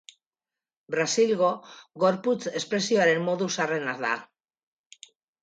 Brasilgo gorputz-espresioaren modu zaharrena da.